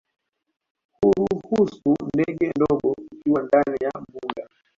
Huruhusu ndege ndogo kutua ndani ya mbuga